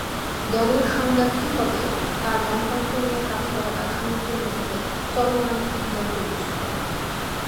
জ্ঞানের সংজ্ঞা কি হবে তা জ্ঞানতত্ত্ব নিয়ে কাজ করা দার্শনিকদের মধ্যে চলমান একটি বিতর্কের বিষয়।